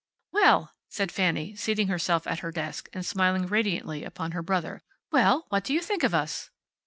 "Well," said Fanny, seating herself at her desk, and smiling radiantly upon her brother. "Well, what do you think of us?"